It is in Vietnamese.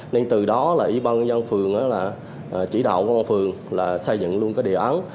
nên từ đó là ý băng nhân dân phường là chỉ đạo của phường là xây dựng luôn cái điều án